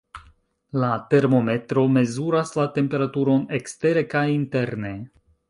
La termometro mezuras la temperaturon ekstere kaj interne.